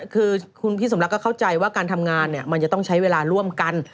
คือคุณพี่สมรักก็เข้าใจว่าการทำงานมันจะต้องใช้เวลาร่วมกัน